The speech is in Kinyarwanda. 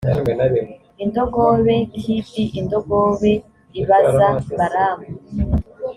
indogobe kb indogobe ibaza balamu